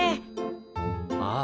ああ。